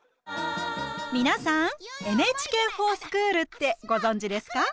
皆さん「ＮＨＫｆｏｒＳｃｈｏｏｌ」ってご存じですか？